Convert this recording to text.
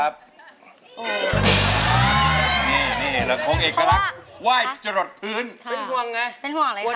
เพราะว่าจะเหนื่อย